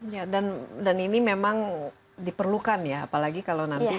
ya dan ini memang diperlukan ya apalagi kalau nanti